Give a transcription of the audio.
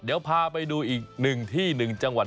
เดี๋ยวพาไปดูอีกหนึ่งที่หนึ่งเจ้างวัด